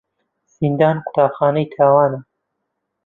زیندان قوتابخانەی تاوانە.